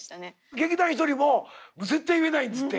劇団ひとりも「絶対言えない」っつって。